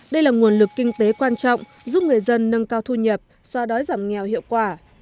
đây là nguồn lực kinh tế quan trọng giúp người dân nâng cao thu nhập xoa đói giảm nghèo hiệu quả